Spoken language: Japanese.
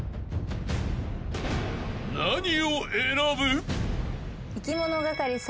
［何を選ぶ？］